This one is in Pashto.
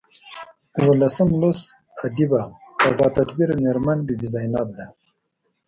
اوولسم لوست ادیبه او باتدبیره میرمن بي بي زینب ده.